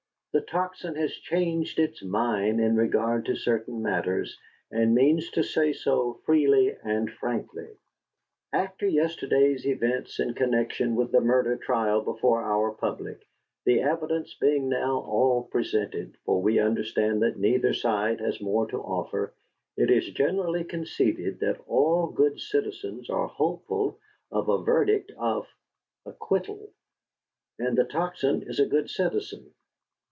The Tocsin has changed its mind in regard to certain matters, and means to say so freely and frankly. After yesterday's events in connection with the murder trial before our public, the evidence being now all presented, for we understand that neither side has more to offer, it is generally conceded that all good citizens are hopeful of a verdict of acquittal; and the Tocsin is a good citizen.